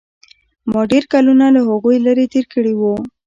ما ډېر کلونه له هغوى لرې تېر کړي وو.